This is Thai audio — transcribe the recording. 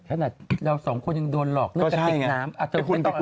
ขนาดเราสองคนยังโดนหลอกเรื่องกระติกน้ำ